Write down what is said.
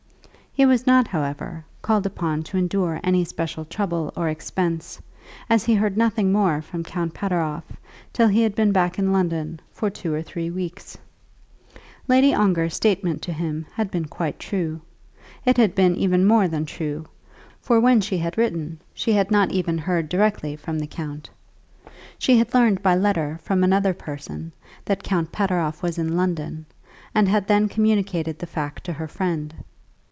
He was not, however, called upon to endure any special trouble or expense, as he heard nothing more from Count Pateroff till he had been back in London for two or three weeks. Lady Ongar's statement to him had been quite true. It had been even more than true; for when she had written she had not even heard directly from the count. She had learned by letter from another person that Count Pateroff was in London, and had then communicated the fact to her friend.